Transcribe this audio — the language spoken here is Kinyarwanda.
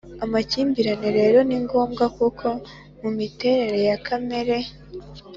Amakimbirane rero ni ngombwa kuko mu miterere ya kamere